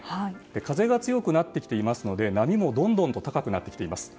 風が強くなってきていますので波もどんどん高くなっています。